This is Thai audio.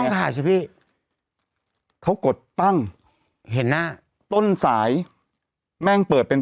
อย่างต้องจ่ายใช่มั้ยพี่เขากดตั้งเห็นหน้าต้นสายแม่งเปิดเป็น